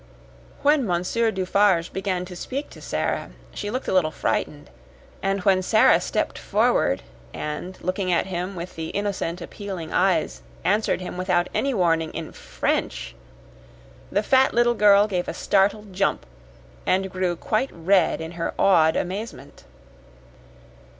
When Monsieur Dufarge began to speak to Sara, she looked a little frightened; and when Sara stepped forward and, looking at him with the innocent, appealing eyes, answered him, without any warning, in French, the fat little girl gave a startled jump, and grew quite red in her awed amazement.